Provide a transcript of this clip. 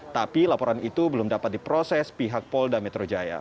tapi laporan itu belum dapat diproses pihak polda metro jaya